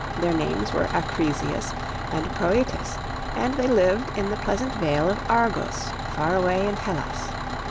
Their names were Acrisius and Prœtus, and they lived in the pleasant vale of Argos, far away in Hellas.